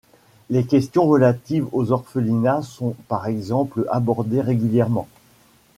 Les questions relatives aux orphelinats sont par exemple abordées régulièrement.